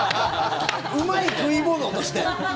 うまい食い物として。